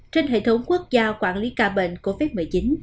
trên hệ thống quốc gia quản lý ca bệnh covid một mươi chín